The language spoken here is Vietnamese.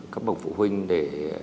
các bậc phụ huynh để